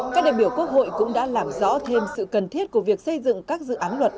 các đại biểu quốc hội cũng đã làm rõ thêm sự cần thiết của việc xây dựng các dự án luật